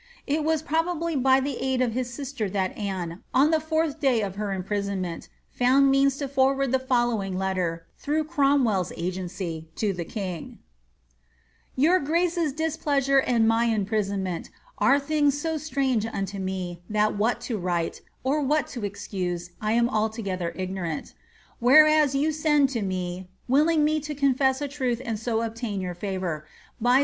it was probably by the aid of his sister that Anne, on the fourth day of her imprisonment, found means to forward the following letter, through Cromwell's agency, to the king :—Your grace's displeasure and my imprisonment are things so strange unto me, tliat what to write, or what to excuse, I am altogether ignorant Whereas you send to me (willing me to confess a truth and so obtain your fiivour), by 'Burnet's Hist.